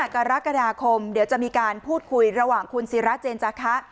กรกฎาคมเดี๋ยวจะมีการพูดคุยระหว่างคุณศิราเจนจาคะ